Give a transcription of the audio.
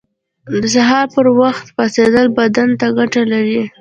• د سهار پر وخت پاڅېدل بدن ته ګټه لري.